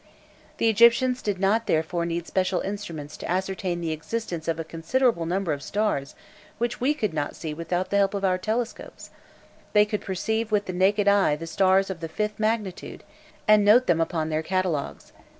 The Egyptians did not therefore need special instruments to ascertain the existence of a considerable number of stars which we could not see without the help of our telescopes; they could perceive with the naked eye stars of the fifth magnitude, and note them upon their catalogues.